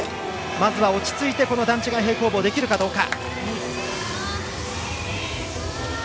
まず落ち着いて段違い平行棒ができるかどうか。